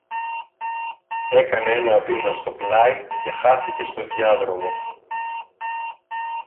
έκανε ένα βήμα στο πλάι και χάθηκε στο διάδρομο